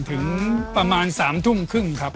ถึงประมาณ๓ทุ่มครึ่งครับ